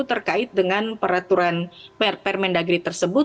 terkait dengan peraturan permendagri tersebut